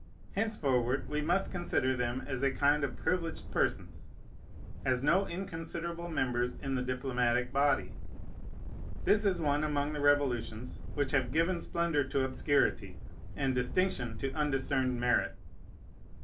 Henceforward we must consider them as a kind of privileged persons, as no inconsiderable members in the diplomatic body. This is one among the revolutions which have given splendor to obscurity and distinction to undiscerned merit.